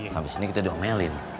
sampai sini kita diomelin